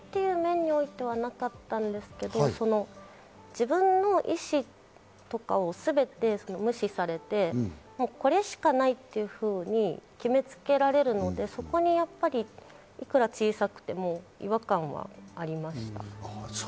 違うなという面ではなかったんですけど、自分の意思とかをすべて無視されて、これしかないというふうに決め付けられるので、そこにやっぱり、いくら小さくても違和感はありました。